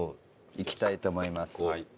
いきたいと思います。